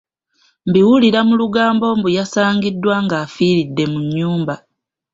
Mbiwulira mu lugambo mbu yasangiddwa nga afiridde mu nnyumba.